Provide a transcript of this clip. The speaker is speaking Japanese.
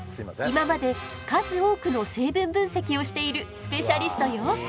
今まで数多くの成分分析をしているスペシャリストよ。